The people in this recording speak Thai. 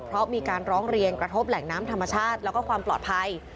เพราะมีการร้องเรียนกระทบแหล่งน้ำธรรมชาติแล้วก็ความปลอดภัย